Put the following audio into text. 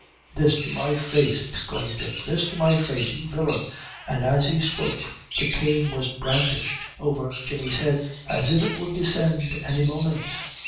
"This to my face!" exclaimed Dick "this to my face, you villain!" and, as he spoke, the cane was brandished over Jemmy's head, as if it would descend every moment.